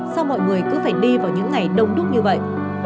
sau mọi người cứ phải đi vào những ngày đông đúc như vậy